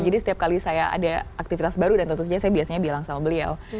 jadi setiap kali saya ada aktivitas baru dan tentu saja saya biasanya bilang sama beliau